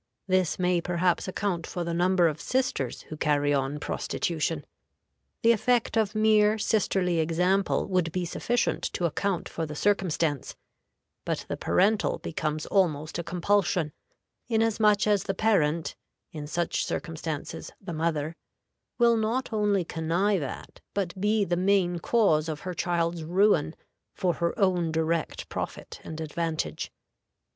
This may perhaps account for the number of sisters who carry on prostitution. The effect of mere sisterly example would be sufficient to account for the circumstance, but the parental becomes almost a compulsion, inasmuch as the parent (in such circumstances, the mother) will not only connive at, but be the main cause of her child's ruin for her own direct profit and advantage.